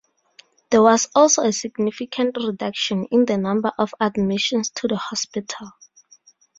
There was also a significant reduction in the number of admissions to the hospital.